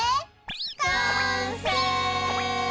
完成！